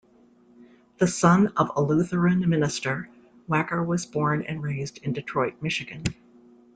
The son of a Lutheran minister, Wacker was born and raised in Detroit, Michigan.